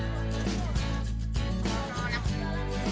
mantap banget tuh pokoknya